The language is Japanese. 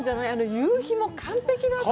夕日も完璧だった。